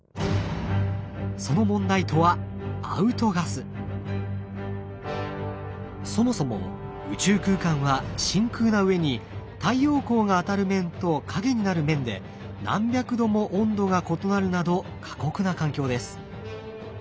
その問題とはそもそも宇宙空間は真空なうえに太陽光が当たる面と陰になる面で何百度も温度が異なるなど過酷な環境です。